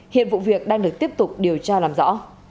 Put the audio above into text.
hiện vụ việc đang được tiếp tục điều tra làm rõ